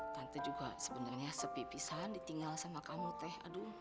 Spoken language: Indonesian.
tante juga sebenernya sepi pisahan ditinggal sama kamu teh